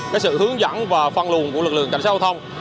cái sự hướng dẫn và phân lùn của lực lượng tránh xe giao thông